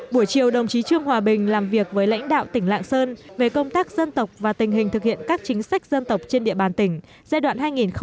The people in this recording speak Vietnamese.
buổi chiều đồng chí trương hòa bình làm việc với lãnh đạo tỉnh lạng sơn về công tác dân tộc và tình hình thực hiện các chính sách dân tộc trên địa bàn tỉnh giai đoạn hai nghìn một mươi một hai nghìn ba mươi